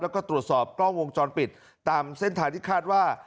แล้วก็ตรวจสอบกล้องวงจรปิดตามเส้นทางที่คาดว่า